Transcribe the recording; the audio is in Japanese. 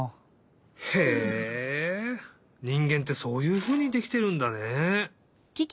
へえにんげんってそういうふうにできてるんだね。